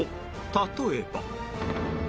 例えば